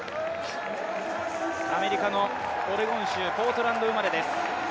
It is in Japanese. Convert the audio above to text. アメリカのオレゴン州ポートランド生まれです。